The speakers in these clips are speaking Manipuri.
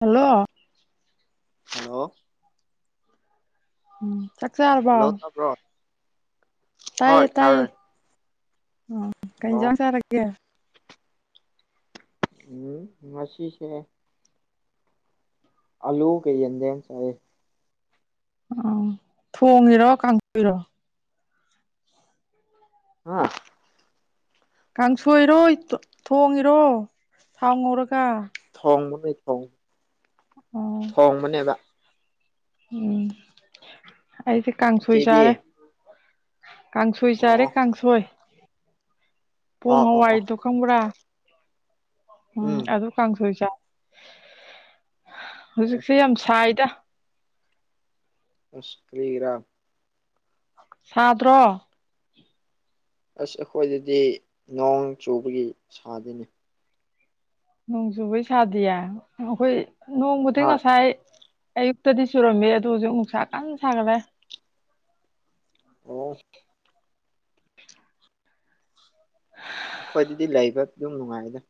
ꯍꯜꯂꯣ ꯍꯜꯂꯣ ꯎꯝ ꯆꯥꯛꯆꯥꯔꯕꯣ ꯍꯜꯂꯣ ꯇꯥꯕ꯭ꯔꯣ ꯍꯣꯏ ꯇꯥꯏꯌꯦ ꯇꯥꯏꯌꯦ ꯇꯥꯔꯦ ꯑꯣ ꯀꯩ ꯑꯣ ꯏꯟꯖꯥꯡ ꯆꯔꯒꯦ ꯍꯨꯝ ꯃꯁꯤꯁꯦ ꯑꯌꯨꯛꯀꯤ ꯌꯦꯟꯗꯦꯝ ꯆꯥꯌꯦ ꯑꯥ ꯊꯣꯡꯉꯤꯔꯣ ꯀꯥꯡꯁꯣꯏꯔꯣ ꯍꯥꯥ ꯀꯥꯡꯁꯣꯏꯔꯣꯏ ꯇꯣ ꯊꯣꯡꯉꯤꯔꯣ ꯊꯥꯎ ꯉꯧꯔꯒ ꯊꯣꯡꯕꯕꯨꯗꯤ ꯊꯣꯡꯏ ꯑꯣ ꯊꯣꯡꯕꯅꯦꯕ ꯎꯝ ꯑꯩꯁꯦ ꯀꯥꯡꯁꯣꯏ ꯏꯆꯦꯗꯤ ꯆꯥꯔꯦ ꯀꯥꯡꯁꯣꯏ ꯆꯥꯔꯦ ꯑꯣ ꯀꯥꯡꯁꯣꯏ ꯄꯣꯡ ꯑꯣ ꯑꯣ ꯑꯣ ꯍꯋꯥꯏꯗꯣ ꯈꯪꯕ꯭ꯔꯥ ꯎꯝ ꯑꯗꯣ ꯀꯥꯡꯁꯣꯏ ꯆꯥꯏ ꯑꯣ ꯍꯧꯖꯤꯛꯁꯦ ꯌꯥꯝ ꯁꯥꯏꯗ ꯑꯁ ꯀꯔꯤꯒꯤꯔꯥ ꯁꯥꯗ꯭ꯔꯣ ꯑꯁ ꯑꯩꯈꯣꯏꯗꯗꯤ ꯅꯣꯡ ꯆꯨꯕꯒꯤ ꯁꯥꯗꯦꯅꯦ ꯅꯣꯡ ꯆꯨꯕꯩ ꯁꯥꯗꯤꯌꯦ ꯑꯈꯣꯏ ꯅꯣꯡꯕꯨꯗꯤ ꯍꯣꯏ ꯉꯁꯥꯏ ꯑꯌꯨꯛꯇꯗꯤ ꯆꯨꯔꯝꯃꯦ ꯑꯗꯨ ꯍꯧꯖꯤꯛ ꯅꯨꯡꯁꯥ ꯀꯟꯅ ꯁꯥꯒꯠꯂꯦ ꯑꯣ ꯑꯩꯈꯣꯏꯗꯗꯤ ꯂꯩꯕ ꯑꯗꯨꯝ ꯅꯨꯡꯉꯥꯏꯗ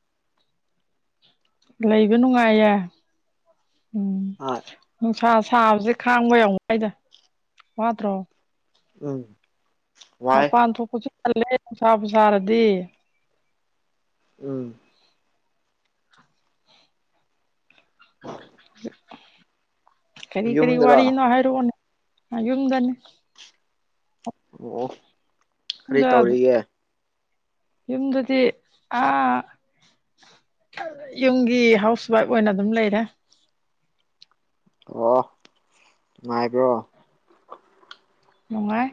ꯂꯩꯕ ꯅꯨꯡꯉꯥꯏꯌꯦ ꯎꯝ ꯍꯣꯏ ꯅꯨꯡꯁꯥ ꯁꯥꯕꯁꯦ ꯈꯥꯡꯕ ꯌꯥꯝ ꯋꯥꯏꯗ ꯋꯥꯗ꯭ꯔꯣ ꯎꯝ ꯋꯥꯏ ꯃꯄꯥꯟ ꯊꯣꯛꯄꯁꯨ ꯇꯜꯂꯦ ꯅꯨꯡꯁꯥꯕꯨ ꯁꯥꯔꯗꯤ ꯎꯝ ꯀꯔꯤ ꯀꯔꯤ ꯌꯨꯝꯗꯔꯣ ꯋꯥꯔꯤꯅꯣ ꯍꯥꯏꯔꯛꯑꯣꯅꯦ ꯌꯨꯝꯗꯅꯤ ꯑꯣ ꯀꯔꯤ ꯌꯨꯝꯗ ꯑꯗꯨ ꯇꯧꯔꯤꯒꯦ ꯌꯨꯝꯗꯗꯤ ꯑ ꯌꯨꯝꯒꯤ ꯍꯥꯎꯁ ꯋꯥꯏꯐ ꯑꯣꯏꯅ ꯑꯗꯨꯝ ꯂꯩꯔꯦ ꯑꯣ ꯅꯨꯡꯉꯥꯏꯕ꯭ꯔꯣ ꯅꯨꯡꯉꯥꯏ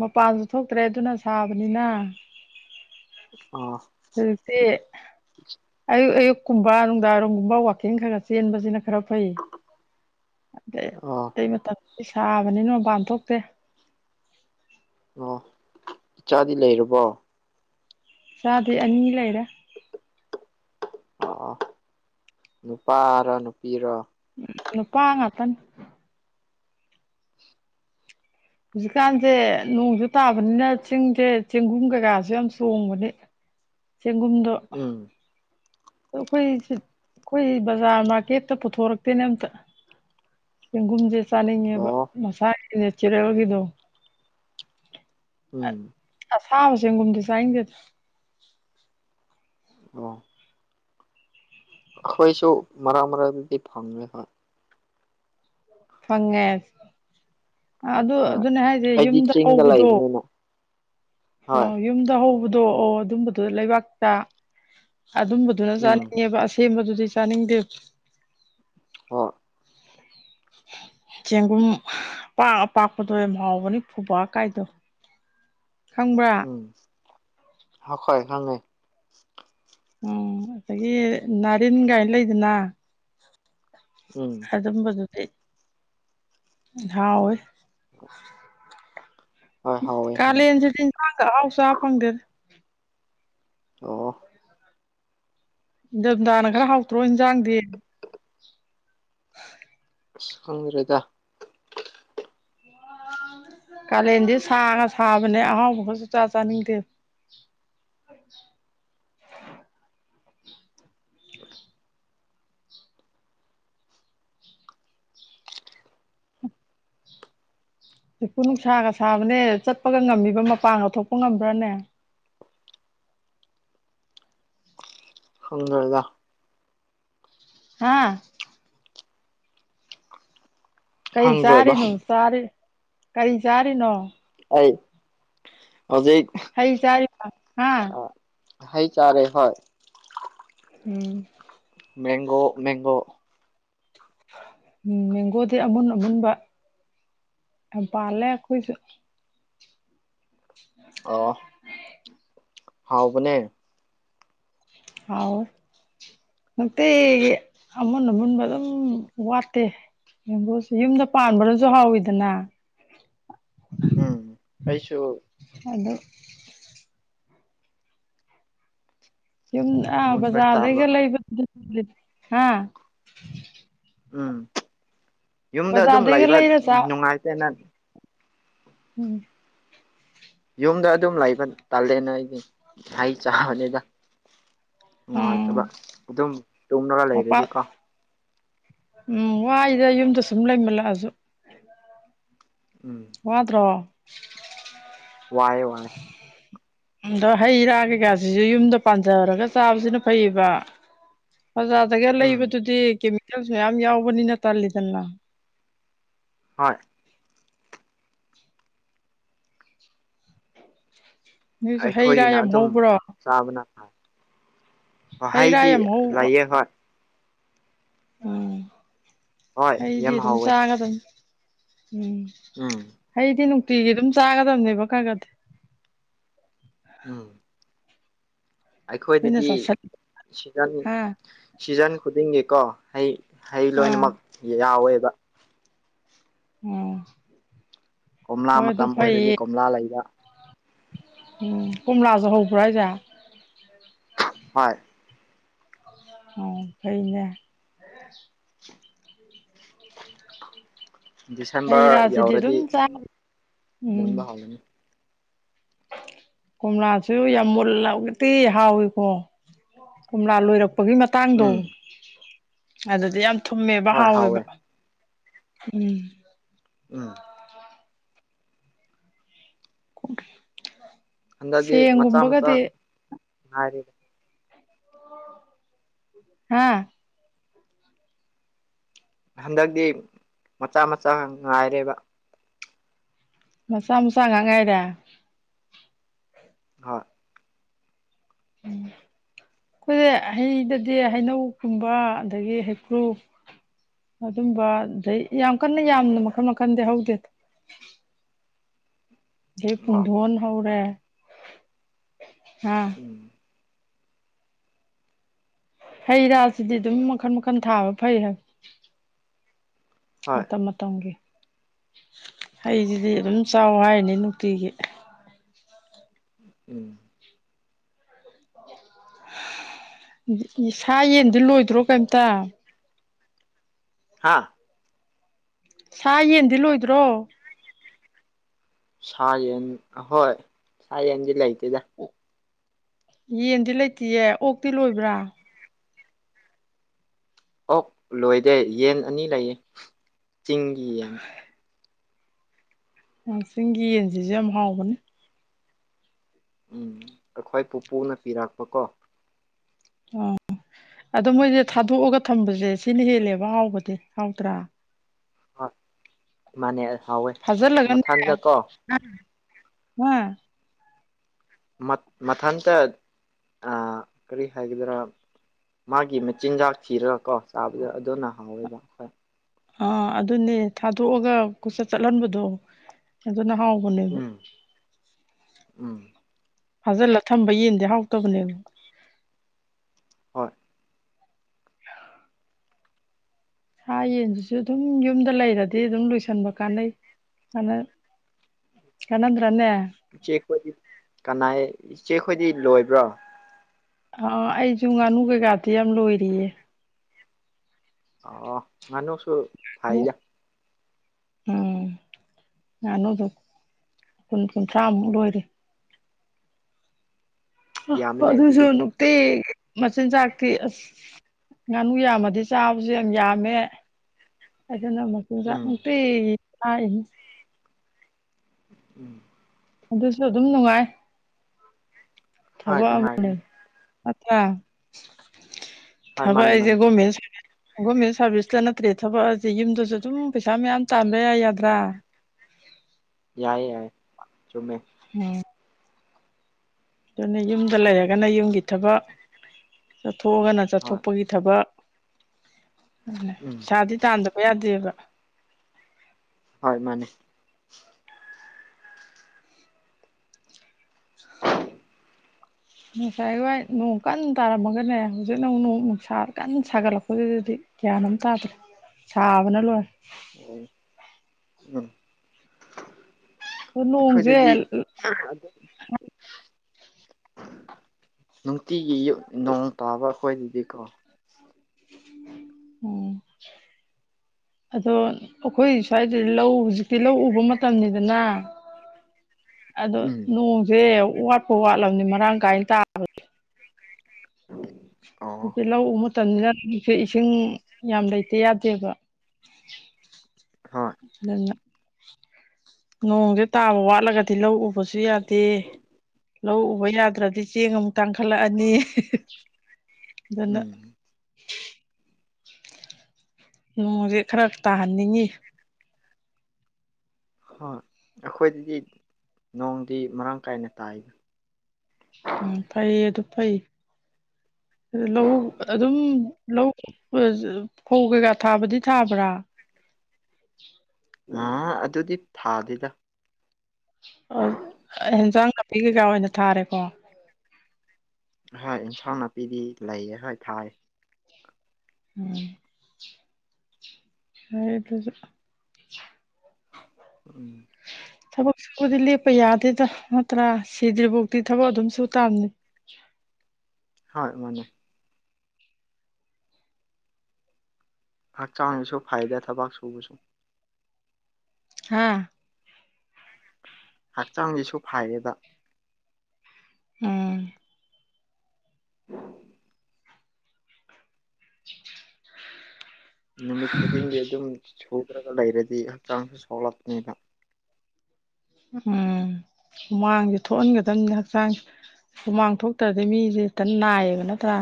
ꯃꯄꯥꯟꯁꯨ ꯊꯣꯛꯇ꯭ꯔꯦ ꯑꯗꯨꯅ ꯁꯥꯕꯅꯤꯅ ꯑꯣ ꯍꯧꯖꯤꯛꯇꯤ ꯑꯌꯨꯛ ꯑꯌꯨꯛꯀꯨꯝꯕ ꯅꯨꯡꯗꯥꯡꯏꯔꯝꯒꯨꯝꯕ ꯋꯥꯛꯀꯤꯡ ꯈꯔ ꯈ ꯆꯦꯟꯕꯁꯤꯅ ꯈꯔ ꯊꯣꯛꯏ ꯑꯇꯩ ꯑꯣ ꯑꯇꯩ ꯃꯇꯝ ꯁꯥꯕꯅꯤꯅ ꯃꯄꯥꯟ ꯊꯣꯛꯇꯦ ꯑꯣ ꯏꯆꯥꯗꯤ ꯂꯩꯔꯕꯣ ꯏꯆꯥꯗꯤ ꯑꯅꯤ ꯂꯩꯔꯦ ꯑꯣ ꯅꯨꯄꯥꯔ ꯅꯨꯄꯤꯔꯣ ꯅꯨꯄꯥ ꯉꯥꯛꯇꯅꯤ ꯍꯧꯖꯤꯛꯀꯥꯟꯁꯦ ꯅꯣꯡꯁꯨ ꯇꯥꯕꯅꯤꯅ ꯆꯤꯡꯁꯦ ꯆꯦꯡꯒꯨꯝ ꯀꯩꯀꯥꯁꯨ ꯌꯥꯝ ꯆꯣꯡꯕꯅꯤ ꯆꯦꯡꯒꯨꯝꯗꯣ ꯎꯝ ꯑꯈꯣꯏ ꯁꯤ ꯑꯈꯣꯏ ꯕꯖꯥꯔ ꯃꯥꯔꯀꯦꯠꯇ ꯄꯨꯊꯣꯔꯛꯇꯦꯅꯦ ꯑꯝꯇꯥ ꯆꯦꯡꯒꯨꯝꯁꯦ ꯆꯥꯅꯤꯡꯉꯦꯕ ꯑꯣ ꯃꯁꯥꯒꯤ ꯅꯦꯆꯥꯔꯦꯜꯒꯤꯗꯣ ꯎꯝ ꯑꯊꯥꯕ ꯆꯦꯡꯒꯨꯝꯗꯤ ꯆꯥꯅꯤꯡꯗꯦꯗ ꯑꯣ ꯑꯩꯈꯣꯏꯁꯨ ꯃꯔꯛ ꯃꯔꯛꯇꯗꯤ ꯐꯪꯉꯦ ꯍꯣꯏ ꯐꯪꯉꯦ ꯑꯗꯨ ꯍꯣꯏ ꯑꯗꯨꯅꯦ ꯍꯥꯏꯁꯦ ꯑꯩꯗꯤ ꯌꯨꯝꯗ ꯆꯤꯡꯗ ꯍꯧꯕꯗꯣ ꯂꯩꯕꯅꯤꯅ ꯍꯣꯏ ꯑꯣ ꯌꯨꯝꯗ ꯍꯧꯕꯗꯣ ꯑꯣ ꯑꯗꯨꯝꯕꯗꯣ ꯂꯩꯕꯥꯛꯇ ꯑꯗꯨꯝꯕ ꯗꯨꯅ ꯎꯝ ꯆꯥꯅꯤꯡꯉꯦꯕ ꯑꯁꯦꯝꯕꯗꯨꯗꯤ ꯆꯥꯅꯤꯡꯗꯦꯕ [unintelligible] ꯆꯦꯡꯒꯨꯝ ꯑꯄꯥꯛ ꯑꯄꯥꯛꯄꯗꯣ ꯌꯥꯝ ꯍꯥꯎꯕꯅꯤ ꯐꯨꯕꯥꯛ ꯀꯥꯏꯗꯣ [unintelligible] ꯎꯝ [unintelligible] ꯎꯝ ꯑꯗꯒꯤ ꯅꯥꯔꯤꯟꯒꯥꯏꯅ ꯂꯩꯗꯅ ꯎꯝ ꯑꯗꯨꯝꯕꯗꯨꯗꯤ ꯍꯥꯎꯋꯦ [inaudible] ꯍꯣꯏ ꯍꯥꯎꯋꯦ ꯍꯥꯎꯋꯦ ꯀꯂꯦꯟꯟꯖꯤꯗꯤ ꯍꯦꯟꯖꯥꯡꯒ ꯑꯍꯥꯎ ꯆꯥ ꯐꯪꯗꯦꯗꯥ ꯑꯣ ꯅꯤꯡꯗꯝꯗꯥꯅ ꯈꯔ ꯍꯥꯎꯇ꯭ꯔꯣ ꯏꯟꯖꯥꯡꯗꯤ ꯑꯁ ꯈꯪꯗ꯭ꯔꯦꯗ ꯀꯥꯂꯦꯟꯗꯤ ꯁꯥꯒ ꯁꯥꯕꯅꯦ ꯑꯍꯥꯎꯕꯒ ꯁꯨꯡꯆꯥ ꯆꯥꯅꯤꯡꯗꯦ ꯍꯧꯖꯤꯛꯄꯨ ꯅꯨꯡꯁꯥꯒ ꯁꯥꯕꯅꯦ ꯆꯠꯄꯒ ꯉꯝꯃꯤꯕ ꯃꯄꯥꯡꯒ ꯊꯣꯛꯄ ꯉꯝꯕ꯭ꯔꯅꯦ ꯀꯪꯗ꯭ꯔꯦꯗ ꯍꯥꯥ ꯀꯩ ꯈꯪꯗ꯭ꯔꯦꯕ ꯆꯥꯔꯤꯅꯣ ꯆꯥꯔꯤ ꯀꯔꯤ ꯆꯥꯔꯤꯅꯣ ꯑꯩ ꯍꯧꯖꯤꯛ ꯍꯩ ꯆꯔꯤꯕ ꯍꯥ ꯍꯩ ꯆꯥꯔꯦ ꯍꯣꯢ ꯎꯝ ꯃꯦꯟꯒꯣ ꯃꯦꯟꯒꯣ ꯎꯝ ꯃꯦꯡꯒꯣꯗꯤ ꯑꯃꯨꯟ ꯑꯃꯨꯟꯕ ꯌꯥꯝ ꯄꯥꯜꯂꯦ ꯑꯈꯣꯏꯁꯨ ꯑꯣ ꯍꯥꯎꯕꯅꯦ ꯍꯥꯎꯏ ꯅꯨꯡꯇꯤꯒꯤ ꯑꯃꯨꯟ ꯑꯃꯨꯟꯕ ꯑꯗꯨꯝ ꯋꯥꯠꯇꯦ ꯃꯦꯡꯒꯣꯁꯦ ꯌꯨꯝꯗ ꯄꯥꯟꯕꯅꯁꯨ ꯑꯣ ꯍꯥꯎꯋꯤꯗꯅ ꯎꯝ ꯑꯩꯁꯨ ꯑꯗꯨꯝ ꯌꯨꯝ ꯑꯥ ꯃꯨꯟꯕ ꯇꯥꯕ ꯕꯖꯥꯔꯗꯩꯒ ꯂꯩꯕ ꯍꯥ ꯎꯝ ꯌꯨꯝꯗ ꯑꯗꯨꯝ ꯕꯖꯥꯔꯗꯩꯒ ꯂꯩꯕ ꯂꯩꯔ ꯆꯥ ꯅꯨꯡꯉꯥꯏꯇꯦꯅ ꯎꯝ ꯌꯨꯝꯗ ꯑꯗꯨꯝ ꯂꯩꯕ ꯇꯥꯜꯂꯦꯅ ꯑꯩꯗꯤ ꯍꯩ ꯆꯥꯕꯅꯤꯗ ꯅꯨꯡꯉꯥꯏꯇꯕ ꯎꯝ ꯑꯗꯨꯝ ꯇꯨꯝꯂꯒ ꯃꯄꯥꯟ ꯂꯩꯔꯗꯤꯀꯣ ꯎꯝ ꯋꯥꯏꯗ ꯌꯨꯝꯗ ꯁꯨꯝ ꯂꯩꯃꯜꯂꯛꯑꯁꯨ ꯎꯝ ꯋꯥꯗ꯭ꯔꯣ ꯋꯥꯑꯦ ꯋꯥꯑꯦ ꯑꯗꯣ ꯍꯩꯔꯥ ꯀꯩꯀꯥꯁꯤꯁꯨ ꯌꯨꯝꯗ ꯄꯥꯟꯖꯔꯒ ꯆꯥꯕꯁꯤꯅ ꯐꯩꯌꯦꯕ ꯑꯣꯖꯥꯗꯒ ꯎꯝ ꯂꯩꯕꯗꯨꯗꯤ ꯀꯦꯃꯤꯀꯦꯜꯁ ꯃꯌꯥꯝ ꯌꯥꯎꯕꯅꯤꯅ ꯇꯜꯂꯤꯗꯅ ꯍꯣꯏ ꯅꯣꯏꯁꯨ ꯍꯩ ꯔꯥ ꯑꯩꯈꯣꯏꯅ ꯌꯥꯝ ꯑꯗꯨꯝ ꯍꯧꯕ꯭ꯔꯣ ꯆꯥꯕꯅ ꯍꯜꯂꯤ ꯍꯩ ꯔꯥ ꯍꯩꯗꯤ ꯌꯥꯝ ꯍꯧ ꯂꯩꯌꯦ ꯍꯣꯏ ꯎꯝ ꯍꯣꯏ ꯍꯩꯗꯤ ꯌꯥꯝ ꯑꯗꯨꯝ ꯍꯥꯎꯋꯦ ꯆꯥꯒꯗꯧꯅꯤ ꯎꯝ ꯎꯝ ꯍꯩꯗꯤ ꯅꯨꯡꯇꯤꯒꯤ ꯑꯗꯨꯝ ꯆꯥꯒꯗꯕꯅꯦꯕ ꯈꯔ ꯈꯔꯗꯤ ꯎꯝ ꯑꯩꯈꯣꯏꯅ ꯑꯩꯈꯣꯏꯗꯗꯤ ꯆꯥꯁꯤꯜ ꯁꯤꯖꯟ ꯍꯥ ꯁꯤꯖꯟ ꯈꯨꯗꯤꯡꯒꯤꯀꯣ ꯍꯩ ꯍꯩ ꯑꯥ ꯂꯣꯏꯅꯃꯛ ꯌꯥꯎꯋꯦꯕ ꯎꯝ ꯀꯣꯝꯂꯥ ꯃꯇꯝ ꯑꯣꯏꯔꯗꯤ ꯀꯣꯝꯂꯥ ꯂꯩꯗ ꯎꯝ ꯀꯣꯝꯂꯁꯨ ꯍꯧꯕ꯭ꯔꯥ ꯍꯥꯢꯁꯦ ꯍꯣꯢ ꯑꯣ ꯐꯩꯅꯦ [inaudible] ꯍꯩ ꯗꯤꯁꯦꯝꯕꯔ ꯔꯥꯁꯤꯗꯤ ꯌꯥꯎꯔꯗꯤ ꯑꯗꯨꯝ ꯆꯥ ꯎꯝ ꯃꯨꯟꯕ ꯍꯧꯥꯔꯅꯤ ꯀꯣꯝꯂꯥꯁꯨ ꯌꯥꯝ ꯃꯨꯜꯂꯒꯗꯤ ꯍꯥꯎꯏꯀꯣ ꯀꯣꯝꯂꯥ ꯂꯣꯏꯔꯛꯄꯒꯤ ꯇꯥꯡꯗꯣ ꯎꯝ ꯑꯗꯨꯗꯤ ꯌꯥꯝ ꯊꯨꯝꯃꯦꯕ ꯍꯣꯏ ꯍꯥꯎꯋꯦ ꯍꯥꯎꯋꯦꯕ ꯎꯝ ꯎꯝ ꯍꯟꯗꯛꯇꯤ ꯃꯆꯥ ꯃꯆꯥ ꯁꯦꯝꯒꯨꯝꯕꯒꯗꯤ [unintelligible] ꯍꯥꯥ ꯍꯟꯗꯛꯇꯤ ꯃꯆꯥ ꯃꯆꯥ ꯉꯥꯏꯔꯦꯕ ꯃꯁꯥ ꯃꯆꯥ ꯉꯥꯛ ꯉꯥꯏꯔꯦ ꯍꯣꯏ ꯎꯝ ꯑꯩꯈꯣꯏꯗ ꯍꯩꯗꯗꯤ ꯍꯩꯅꯧꯒꯨꯝꯕ ꯑꯗꯒꯤ ꯍꯩꯀ꯭ꯔꯨ ꯑꯗꯨꯝꯕ ꯑꯗꯩ ꯌꯥꯝ ꯀꯟꯅ ꯌꯥꯝꯅ ꯃꯈꯟ ꯃꯈꯟꯗꯤ ꯍꯧꯗꯦ ꯗꯩ ꯑꯣ ꯄꯨꯡꯙꯣꯟ ꯍꯧꯔꯦ ꯍꯥꯥ ꯎꯝ ꯍꯩ ꯔꯥꯁꯤꯗꯤ ꯑꯗꯨꯝ ꯃꯈꯟ ꯃꯈꯟ ꯊꯥꯕ ꯐꯩ ꯍꯥꯏꯕ ꯍꯣꯏ ꯃꯇꯝ ꯃꯇꯝꯒꯤ ꯍꯩꯁꯤꯗꯤ ꯑꯗꯨꯝ ꯆꯥꯎ ꯍꯥꯏꯔꯤꯅꯤ ꯅꯨꯡꯇꯤꯒꯤ ꯎꯝ ꯁꯥ ꯌꯦꯟꯗꯤ ꯂꯣꯏꯗ꯭ꯔꯣ ꯀꯦꯝꯇ ꯍꯥꯥ ꯁꯥ ꯌꯦꯟꯗꯤ ꯂꯣꯏꯗ꯭ꯔꯣ ꯁꯥ-ꯌꯦꯟ ꯑꯍꯣꯏ ꯁꯥ-ꯌꯦꯟꯗꯤ ꯂꯩꯇꯦꯗ ꯑꯣ-ꯌꯦꯟꯗꯤ ꯂꯩꯇꯤꯌꯦ ꯑꯣꯛꯇꯤ ꯂꯣꯏꯕ꯭ꯔꯥ ꯑꯣꯛ ꯂꯣꯏꯗꯦ ꯌꯦꯟ ꯑꯅꯤ ꯂꯩꯌꯦ ꯆꯤꯡꯒꯤ ꯌꯦꯟ ꯎꯝ ꯆꯤꯡꯒꯤ ꯌꯦꯟꯖꯤꯖꯨ ꯌꯥꯝ ꯍꯥꯎꯕꯅꯤ ꯎꯝ ꯑꯩꯈꯣꯏ ꯄꯨꯄꯨꯅ ꯄꯤꯔꯛꯄ ꯀꯣ ꯑꯣ ꯑꯗꯣ ꯃꯣꯏꯁꯦ ꯊꯥꯗꯣꯛꯑꯒ ꯊꯝꯕꯖꯦ ꯁꯤꯅ ꯍꯦꯜꯂꯦꯕ ꯍꯥꯎꯕꯗꯤ ꯍꯥꯎꯇ꯭ꯔꯥ ꯍꯣꯏ ꯃꯥꯅꯦ ꯍꯥꯎꯋꯦ ꯃꯊꯟꯗ ꯀꯣ ꯑ ꯍꯥ ꯃ-ꯃꯊꯟꯇ ꯑꯥ ꯀꯔꯤ ꯍꯥꯏꯒꯗ꯭ꯔꯥ ꯃꯥꯒꯤ ꯃꯆꯤꯟꯖꯥꯛ ꯊꯤꯔꯒ ꯀꯣ ꯆꯥꯕꯗꯣ ꯑꯗꯨꯅ ꯍꯥꯎꯋꯦꯕ ꯍꯣꯏ ꯑꯥ ꯑꯗꯨꯅꯦ ꯊꯥꯗꯣꯛꯑꯒ ꯀꯣꯏꯆꯠ ꯆꯠꯂꯟꯕꯗꯣ ꯑꯗꯨꯅ ꯍꯥꯎꯕꯅꯦꯕ ꯎꯝ ꯎꯝ ꯐꯥꯖꯤꯜꯂ ꯊꯝꯕ ꯌꯦꯟꯗꯤ ꯍꯥꯎꯇꯕꯅꯦꯕ ꯍꯣꯏ ꯁꯥ ꯌꯦꯟꯁꯤꯁꯨ ꯑꯗꯨꯝ ꯌꯨꯝꯗ ꯂꯩꯔꯗꯤ ꯑꯗꯨꯝ ꯂꯣꯏꯁꯟꯕ ꯀꯥꯟꯅꯩ ꯀꯥꯅ ꯀꯥꯅꯗ꯭ꯔꯅꯦ ꯏꯆꯦ ꯈꯣꯏꯗꯤ ꯀꯅꯥꯏ ꯏꯆꯦꯈꯣꯏꯗꯤ ꯂꯣꯏꯕ꯭ꯔꯣ ꯑ ꯑꯩꯖꯨ ꯉꯥꯅꯨ ꯀꯩꯀꯥꯗꯤ ꯌꯥꯝ ꯂꯣꯏꯔꯤꯌꯦ ꯑꯣ ꯉꯥꯅꯨꯁꯨ ꯐꯩꯗ [unintelligible] ꯎꯝ ꯉꯥꯅꯨꯗ‌ꯣ ꯀꯨꯟ ꯀꯨꯟꯊ꯭ꯔꯥꯃꯨꯛ ꯂꯣꯏꯔꯤ ꯌꯥꯝꯃꯤꯅꯦ ꯑꯗꯨꯖꯨ ꯑꯗꯨꯗꯤ ꯅꯨꯡꯇꯤꯒꯤ ꯃꯆꯤꯟꯖꯥꯛꯇꯤ ꯑꯁ ꯉꯥꯅꯨ ꯌꯥꯝꯃꯗꯤ ꯆꯥꯕꯖꯨ ꯌꯥꯝ ꯌꯥꯝꯃꯦ ꯑꯗꯨꯅ ꯃꯆꯤꯟꯖꯥꯛ ꯑꯝ ꯎꯝ ꯇꯤꯒꯤ ꯊꯥꯛꯏꯅꯤ ꯎꯝ ꯑꯗꯨꯁꯨ ꯑꯗꯨꯝ ꯅꯨꯡꯉꯥꯏ ꯍꯣꯏ ꯊꯕꯛ ꯑꯃꯅꯤ ꯅꯨꯡꯉꯥꯏꯒꯅꯤ ꯅꯠꯇ꯭ꯔꯥ ꯍꯣꯏ ꯊꯕꯛ ꯃꯥꯅꯦ ꯍꯥꯏꯖꯦ ꯃꯥꯅꯦ ꯒ꯭ꯔꯣꯃꯦꯟ ꯁꯥ꯭ꯔꯚꯤꯁ ꯒꯣ꯭ꯔꯃꯦꯟ ꯁꯥ꯭ꯔꯚꯤꯁꯇ ꯅꯠꯇ꯭ꯔꯦ ꯊꯕꯛꯑꯖꯦ ꯌꯨꯝꯗꯁꯨ ꯑꯗꯨꯝ ꯄꯩꯁꯥ ꯃꯌꯥꯝ ꯇꯥꯟꯕ ꯌꯥꯏ ꯌꯗ꯭ꯔꯥ ꯌꯥꯏ- ꯌꯥꯏ ꯆꯨꯝꯃꯦ ꯍꯝ ꯑꯗꯨꯅ‌ꯦ ꯌꯨꯝꯗ ꯂꯩꯔꯒꯅ ꯌꯨꯝꯒꯤ ꯊꯕꯛ ꯆꯠꯊꯣꯛꯑꯒꯅ ꯍꯣꯏ ꯆꯠꯊꯣꯛꯄꯒꯤ ꯊꯕꯛ [inaudible] ꯎꯝ ꯄꯩꯁꯥꯗꯤ ꯇꯥꯟꯗꯕ ꯌꯥꯗꯦꯕ ꯍꯣꯏ ꯃꯥꯅꯦ ꯉꯁꯥꯏ ꯋꯥꯏ ꯅꯣꯡ ꯀꯟꯅ ꯇꯥꯔꯝꯃꯒꯅꯦ ꯍꯧꯖꯤꯛꯅ ꯃꯨꯛ ꯅꯣꯡ ꯅꯨꯡꯁꯥ ꯀꯟꯅ ꯁꯥꯒꯠꯂꯛꯄꯗꯨꯗꯗꯤ ꯒ꯭ꯌꯥꯟ ꯑꯝ ꯇꯥꯗ꯭ꯔꯦ ꯁꯥꯕꯅ ꯂꯣꯏꯔꯦ ꯑꯣ ꯎꯝ ꯑꯗꯣ ꯅꯣꯡꯁꯦ ꯑꯈꯣꯏꯗꯗꯤ ꯑꯗꯨꯝ ꯅꯨꯡꯇꯤꯒꯤ ꯌꯨꯛ ꯅꯣꯡ ꯇꯥꯕ ꯑꯈꯣꯏꯗꯗꯤꯀꯣ ꯎꯝ ꯑꯗꯣ ꯑꯈꯣꯏ ꯁ꯭ꯋꯥꯏꯗ ꯂꯧ ꯍꯧꯖꯤꯛꯇꯤ ꯂꯧ ꯎꯕ ꯃꯇꯝꯅꯤꯗꯅ ꯑꯗꯣ ꯎꯝ ꯅꯣꯡꯁꯦ ꯋꯥꯠꯄꯨ ꯋꯥꯠꯂꯝꯅꯤ ꯃꯔꯥꯡ ꯀꯥꯏꯅ ꯇꯥꯕꯗ ꯍꯝ ꯍꯧꯖꯤꯛꯇꯤ ꯂꯧ ꯃꯇꯝꯅꯤꯅ ꯍꯧꯖꯤꯛꯁꯦ ꯏꯁꯤꯡ ꯌꯥꯝ ꯂꯩꯇ ꯌꯥꯗꯦꯕ ꯍꯣꯏ ꯅꯪ ꯉ ꯅꯣꯡꯖꯦ ꯇꯥꯕ ꯋꯥꯠꯂꯒꯗꯤ ꯂꯧ ꯎꯕꯁꯨ ꯌꯥ ꯗꯦ ꯂꯧ ꯎꯕ ꯌꯥꯗ꯭ꯔꯗꯤ ꯆꯦꯡ ꯑꯃꯨꯛ ꯇꯥꯡꯈꯠꯂꯛꯑꯅꯤ ꯗꯅ ꯎꯝ ꯅꯣꯡꯁꯦ ꯈꯔ ꯇꯥꯍꯟꯅꯤꯡꯉꯤ ꯍꯣꯏ ꯑꯩꯈꯣꯏꯗꯗꯤ ꯅꯣꯡꯗꯤ ꯃꯔꯥꯡ ꯀꯥꯏꯅ ꯇꯥꯏꯗ ꯎꯝ ꯐꯩꯌꯦ ꯑꯗꯨ ꯐꯩ ꯑꯗꯣ ꯂꯧꯎ ꯑ ꯑꯗꯨꯝ ꯂꯧ ꯐ ꯖ ꯐꯧ ꯀꯩꯀꯥ ꯊꯥꯕꯗꯤ ꯊꯕ꯭ꯔꯥ ꯑ-ꯑꯗꯨꯗꯤ ꯊꯥꯗꯦꯗ ꯑ-ꯍꯦꯟꯖꯥꯡ ꯅꯥꯄꯤ ꯀꯩꯀꯥ ꯑꯣꯏꯅ ꯊꯥꯔꯦꯀꯣ ꯍꯥꯏ ꯏꯟꯁꯥꯡ ꯅꯥꯄꯤꯗꯤ ꯂꯩꯌꯦ ꯍꯥꯏ ꯊꯥꯏ ꯎꯝ ꯐꯔꯦ ꯐꯖꯨ ꯎꯝ ꯊꯕꯛ ꯁꯨꯕꯗꯤ ꯂꯦꯞꯄ ꯌꯥꯗꯦꯗꯥ ꯅꯠꯇ꯭ꯔꯥ ꯁꯤꯗ꯭ꯔꯤꯕꯧꯗꯤ ꯊꯕꯛ ꯑꯗꯨꯝ ꯁꯨꯨꯇꯥꯝꯅꯤ ꯍꯣꯏ ꯃꯅꯦ ꯍꯛꯆꯥꯡꯁꯨ ꯐꯩꯗ ꯊꯕꯛ ꯁꯨꯕꯁꯨ ꯍꯥꯥ ꯍꯛꯆꯥꯡꯁꯤꯁꯨ ꯐꯥꯏꯌꯦꯕ ꯎꯝ ꯍꯝ ꯅꯨꯃꯤꯠ ꯈꯨꯗꯤꯡꯒꯤ ꯑꯗꯨꯝ ꯁꯨꯗ꯭ꯔꯒ ꯂꯩꯔꯗꯤ ꯍꯛꯆꯥꯡꯁꯨ ꯁꯣꯛꯂꯛꯄꯅꯦꯕ ꯎꯝ ꯍꯨꯃꯥꯡꯖꯦ ꯊꯣꯛꯍꯟꯒꯗꯕꯅꯤ ꯍꯛꯆꯥꯡꯖꯦ ꯍꯨꯃꯥꯡ ꯊꯣꯛꯇ꯭ꯔꯗꯤ ꯃꯤ ꯇꯟ ꯅꯥꯏꯌꯦꯕ ꯅꯠꯇ꯭ꯔꯥ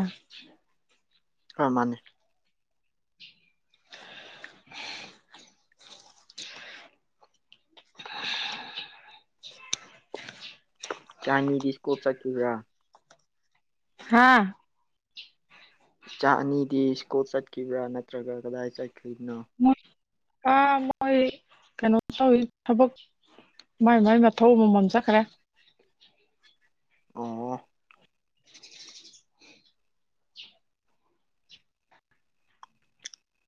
ꯑ ꯃꯥꯅꯤ ꯆꯥꯅꯤꯗꯤ ꯏꯁꯀꯨ꯭ꯜ ꯆꯠꯈꯔꯤꯕ꯭ꯥꯔ ꯍꯥꯥ ꯏꯆꯥ ꯑꯅꯤꯗꯤ ꯁ꯭ꯀꯨꯜ ꯆꯠꯈꯤꯕ꯭ꯔꯥ ꯅꯠꯇ꯭ꯔꯒ ꯀꯗꯥꯏ ꯆꯠꯈ꯭ꯔꯤꯕꯅꯣ ꯑ ꯃꯣꯏ ꯀꯩꯅꯣ ꯇꯧꯏ ꯊꯕꯛ ꯃꯥꯏ- ꯃꯥꯏ ꯃꯊꯧ ꯑꯃꯃꯝ ꯆꯠꯈ꯭ꯔꯦ ꯑꯣ-ꯑꯣ